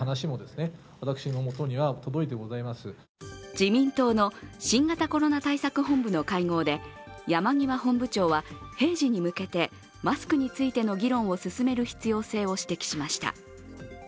自民党の新型コロナ対策本部の会合で山際本部長は、平時に向けてマスクについての議論を進める必要性を指摘しました。